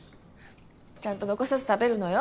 ちゃんと残さず食べるのよ。